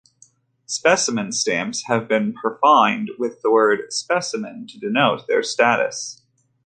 Specimen stamps have often been perfinned with the word "specimen" to denote their status.